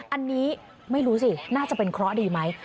อันนี้ไม่รู้สิน่าจะเป็นเคราะห์ดีไหม